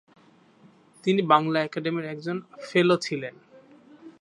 তিনি বাংলা একাডেমির একজন ফেলো ছিলেন।